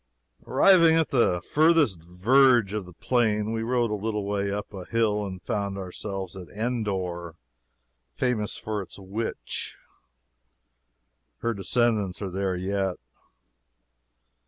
Arriving at the furthest verge of the Plain, we rode a little way up a hill and found ourselves at Endor, famous for its witch. Her descendants are there yet.